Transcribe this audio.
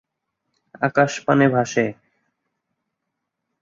আকাশ পানে ভাসে।